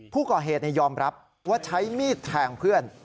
ผู้ก่อเหตุยอมรับว่าใช้มีดแทงเพื่อน